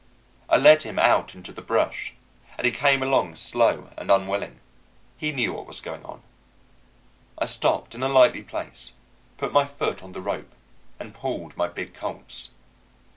I led him out into the brush, and he came along slow and unwilling. He knew what was going on. I stopped in a likely place, put my foot on the rope, and pulled my big Colt's.